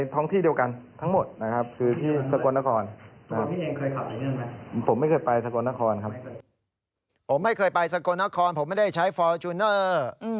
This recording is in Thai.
ผมไม่เคยไปสกลนครผมไม่ได้ใช้ฟอร์จูเนอร์